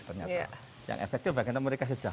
ternyata yang efektif bagian mereka sejauh